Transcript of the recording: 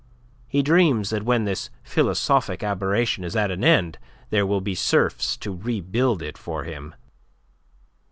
He dreams that when this philosophic aberration is at an end, there will be serfs to rebuild it for him."